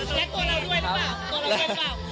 แล้วก็ตัวเราด้วยหรือเปล่า